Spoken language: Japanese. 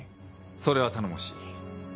それは頼もしい。